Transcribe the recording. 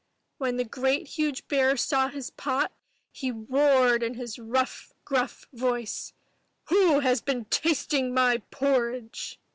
When the great huge bear saw his pot, he roared in his rough, gruff voice, "WHO HAS BEEN TASTING MY PORRIDGE?"